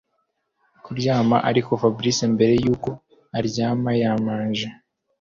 kuryama ariko Fabric mbere yuko aryama yamanje